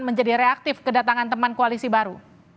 menjadi reaktif kedatangan teman koalisi baru